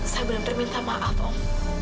saya benar benar minta maaf om